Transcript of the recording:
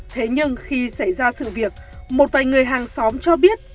thế nhưng khi xảy ra sự việc một vài người hàng xóm cho biết